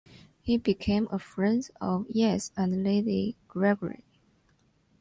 He became a friend of Yeats and Lady Gregory.